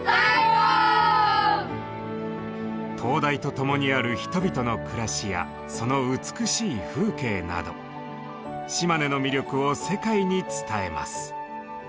灯台とともにある人々の暮らしやその美しい風景など島根の魅力を世界に伝えます。